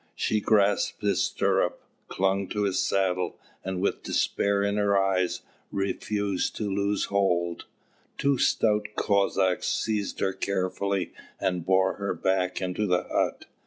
She grasped his stirrup, clung to his saddle, and with despair in her eyes, refused to loose her hold. Two stout Cossacks seized her carefully, and bore her back into the hut.